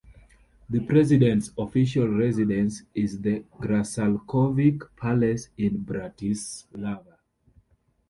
The president's official residence is the Grassalkovich Palace in Bratislava.